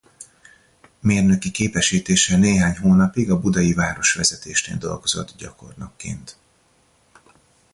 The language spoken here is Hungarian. Mérnöki képesítéssel néhány hónapig a budai városvezetésnél dolgozott gyakornokként.